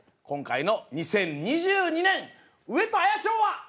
今回の２０２２年上戸彩賞は？